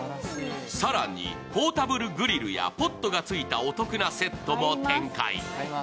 更にポータブルグリルやポットがついたお得なセットも展開。